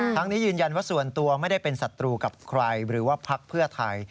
ทั้งนี้ยืนยันว่าส่วนตัวไม่ได้เป็นศัตรูกับใครหรือว่าพักเพื่อไทย